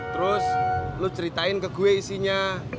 terus lo ceritain ke gue isinya